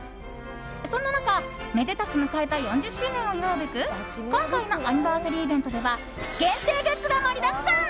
そんな中、めでたく迎えた４０周年を祝うべく今回のアニバーサリーイベントでは限定グッズが盛りだくさん。